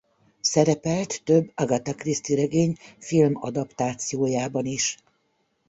Szerepelt több Agatha Christie regény filmadaptációjában is.